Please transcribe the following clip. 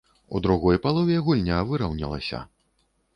У другой палове гульня выраўнялася.